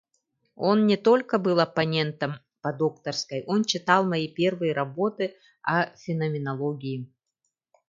Он не только был оппонентом по докторской, он читал мои первые работы о феноменологии.